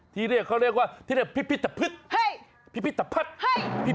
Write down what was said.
ที่เรียกเขาเรียกว่าที่เรียกว่าพิพิธภิษภิษ